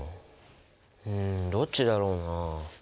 うんどっちだろうな？